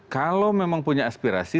kalau memang punya aspirasi